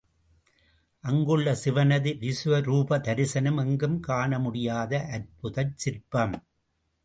அங்குள்ள சிவனது விசுவரூப தரிசனம் எங்கும் காணமுடியாத அற்புதச் சிற்பம்.